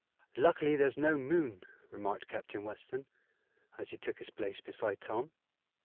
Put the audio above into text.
"Luckily there's no moon," remarked Captain Weston, as he took his place beside Tom.